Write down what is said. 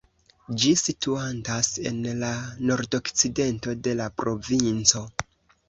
Ĝi situantas en la nordokcidento de la provinco.